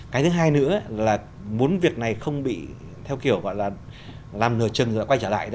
cái thứ hai nữa là muốn việc này không bị theo kiểu gọi là làm nửa chừng họ quay trở lại